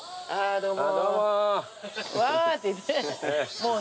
どうも！